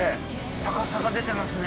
高さが出てますね。